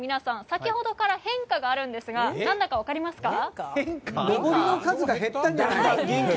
先ほどから変化があるんですが何だか分かりますか？